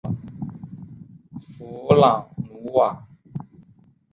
弗朗努瓦。